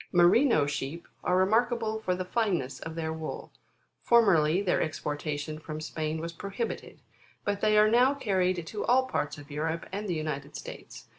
Merino sheep, are remarkable for the fineness of their wool. Formerly, their exportation from Spain was prohibited ; but they are now carried to all parts of Europe, and the United States.